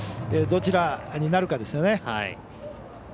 どちらになるかですね。